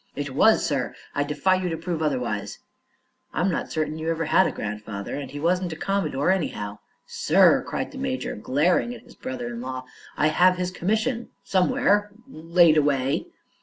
"It was, sir! I defy you to prove otherwise." "I'm not certain you ever had a grandfather; and he wasn't a commodore, anyhow." "Sir!" cried the major, glaring at his brother in law, "I have his commission, somewhere laid away."